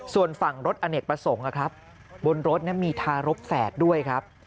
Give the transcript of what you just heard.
ส่วนฝั่งรถอเนกประสงค์บนรถมีทารกแฝดด้วยครับ